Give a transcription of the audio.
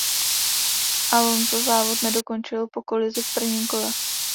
Alonso závod nedokončil po kolizi v prvním kole.